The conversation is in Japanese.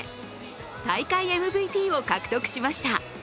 大会ＭＶＰを獲得しました。